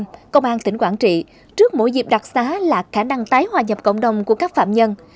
trong đó công an tỉnh quảng trị trước mỗi dịp đặc xá là khả năng tái hòa nhập cộng đồng của các phạm nhân